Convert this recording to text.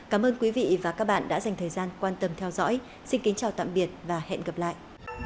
cảm ơn quý vị và các bạn đã dành thời gian quan tâm theo dõi xin kính chào tạm biệt và hẹn gặp lại